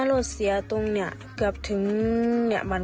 พี่คนเหรอ